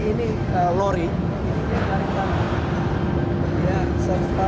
ini lori yang tarik tanah